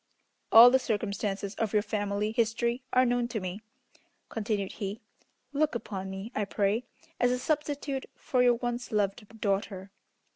"All the circumstances of your family history are known to me," continued he. "Look upon me, I pray, as a substitute for your once loved daughter.